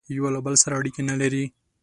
یوه له بل سره اړیکي نه لري